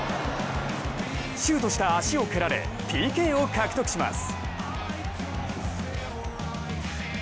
シュートした足を蹴られＰＫを獲得します。